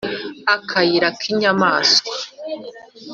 Akayira k'inyamaswa